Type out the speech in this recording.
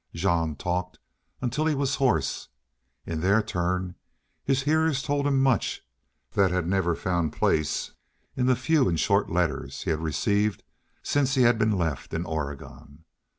Jean talked until he was hoarse. In their turn his hearers told him much that had never found place in the few and short letters he had received since he had been left in Oregon.